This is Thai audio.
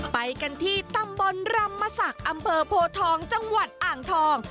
ไปกันที่ตำบลรำมศักดิ์อำเภอโพทองจังหวัดอ่างทอง